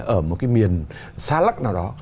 ở một cái miền xa lắc nào đó